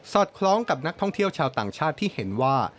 คล้องกับนักท่องเที่ยวชาวต่างชาติที่เห็นว่า